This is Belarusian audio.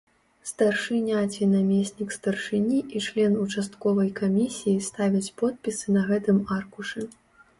Старшыня ці намеснік старшыні і член участковай камісіі ставяць подпісы на гэтым аркушы.